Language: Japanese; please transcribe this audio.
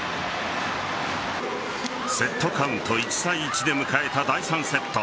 セットカウント１対１で迎えた第３セット。